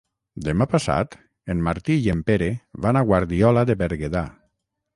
Demà passat en Martí i en Pere van a Guardiola de Berguedà.